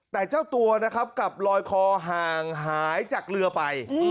แต่เจ้าตัวนะครับกลับลอยคอห่างหายจากเรือไป